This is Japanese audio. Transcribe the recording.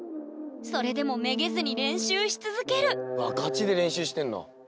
それでもめげずに練習し続けるわっガチで練習してんの。